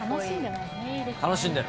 楽しんでる。